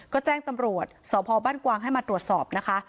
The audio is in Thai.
ก็แจ้งตำรวจสพบ้านกวางให้มาตรวจสอบนะคะ